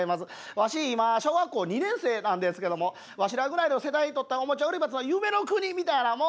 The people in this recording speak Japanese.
わし今小学校２年生なんですけどもわしらぐらいの世代にとったらおもちゃ売り場っつうのは夢の国みたいなもんなんですわな。